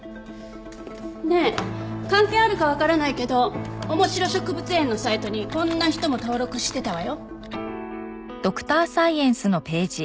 ねえ関係あるかわからないけど面白植物園のサイトにこんな人も登録してたわよ。